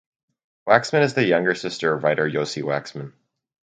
Waxman is the younger sister of writer Yossi Waxman.